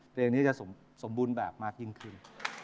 เพลงนี้จะสมบูรณ์แบบมากยิ่งขึ้น